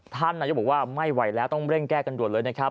ท่านนายกบอกว่าไม่ไหวแล้วต้องเร่งแก้กันด่วนเลยนะครับ